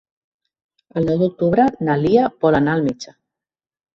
El nou d'octubre na Lia vol anar al metge.